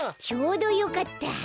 ちょうどよかった。